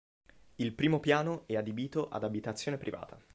Il primo piano è adibito ad abitazione privata.